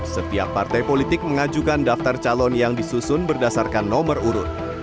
setiap partai politik mengajukan daftar calon yang disusun berdasarkan nomor urut